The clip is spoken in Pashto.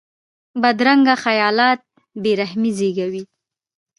بدرنګه خیالات بې رحمي زېږوي